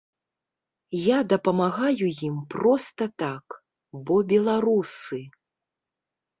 Я дапамагаю ім проста так, бо беларусы.